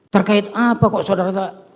terkait apa kok saudara